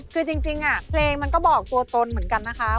คือจริงเพลงมันก็บอกตัวตนเหมือนกันนะคะ